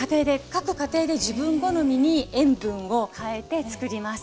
各家庭で自分好みに塩分を変えて作ります。